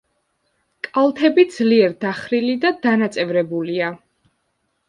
კალთები ძლიერ დახრილი და დანაწევრებულია.